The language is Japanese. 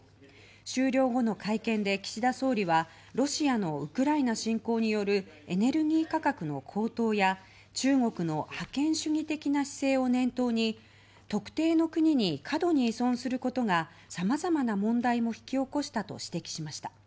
終了後の会見で、岸田総理はロシアのウクライナ侵攻によるエネルギー価格の高騰や中国の覇権主義的な姿勢を念頭に特定の国に過度に依存することがさまざまな問題も引き起こしたと指摘しました。